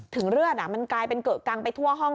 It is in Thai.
เลือดมันกลายเป็นเกอะกังไปทั่วห้อง